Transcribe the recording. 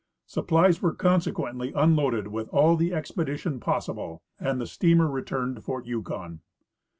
Supplies were consequently unloaded with all the expedition possible, and the steamer returned to fort Yukon.